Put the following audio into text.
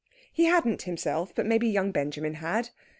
He hadn't, himself, but maybe young Benjamin had.